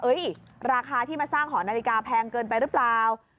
ราคาที่มาสร้างหอนาฬิกาแพงเกินไปหรือเปล่า